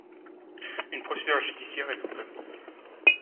Une procédure judiciaire est entamée.